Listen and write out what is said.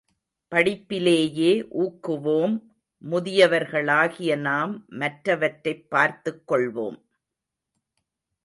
படிப்பிலேயே ஊக்குவோம் முதியவர்களாகிய நாம் மற்றவற்றைப் பார்த்துக்கொள்வோம்.